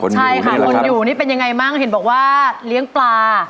ใช่ค่ะคนอยู่นี่เป็นยังไงบ้างเห็นบอกว่าเลี้ยงปลา